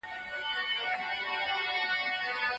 تاسو باید له دې سیستم څخه استفاده وکړئ.